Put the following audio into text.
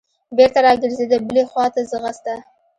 بېرته راګرځېده بلې خوا ته ځغسته.